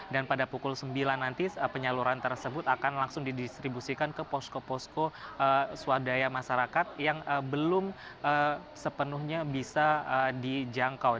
dan pada pukul sembilan nanti penyaluran tersebut akan langsung didistribusikan ke posko posko swadaya masyarakat yang belum sepenuhnya bisa dijangkau